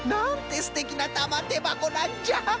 すてきなたまてばこなんじゃ！